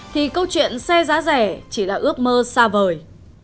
thì câu chuyện xe giá rẻ chỉ là ước mơ xa vời